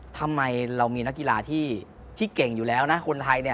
ทำไมเรามีนักกีฬาที่เก่งอยู่แล้วนะคนไทย